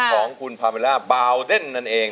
ของคุณพาเมล่าบาวเดนนั่นเอง